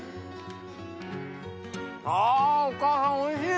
あお母さんおいしい！